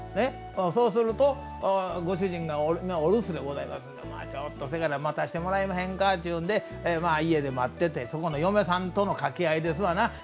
そうするとご主人がお留守でございまして待たせてもらえまへんかってことで家で待ってて、そこの嫁さんとの掛け合いですわな。